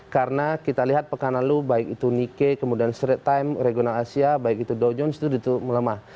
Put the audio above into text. enam enam ratus lima belas karena kita lihat pekanan lu baik itu nikkei kemudian straight time regional asia baik itu dow jones itu melemah